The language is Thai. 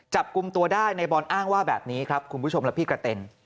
จับกลุ่มตัวได้ในบอลอ้างว่าแบบนี้ครับคุณผู้ชมและพี่กระเต็น